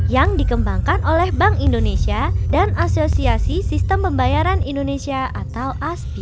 yang dikembangkan oleh bank indonesia dan asosiasi sistem pembayaran indonesia atau aspi